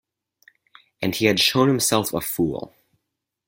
And he had shown himself a fool.